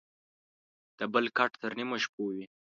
دبل کټ تر نيمو شپو وى.